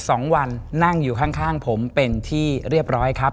สองวันนั่งอยู่ข้างข้างผมเป็นที่เรียบร้อยครับ